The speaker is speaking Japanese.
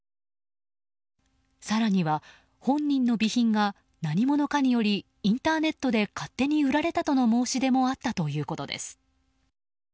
更には、本人の備品が何者かによりインターネットで勝手に売られたとの申し出もあったということです。